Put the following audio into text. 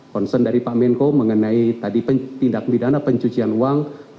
concern dari pak menko mengenai tadi tindak pidana pencucian uang